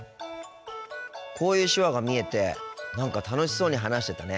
こういう手話が見えて何か楽しそうに話してたね。